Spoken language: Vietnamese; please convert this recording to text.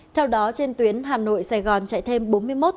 theo đó trên tuyến hà nội sài gòn chạy thêm bốn mươi một chuyến tàu